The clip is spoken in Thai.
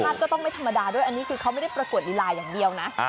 ก็ต้องไม่ธรรมดาด้วยอันนี้คือเขาไม่ได้ประกวดลีลาอย่างเดียวนะ